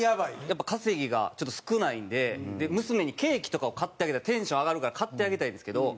やっぱり稼ぎがちょっと少ないんで娘にケーキとかを買ってあげたらテンション上がるから買ってあげたいんですけど。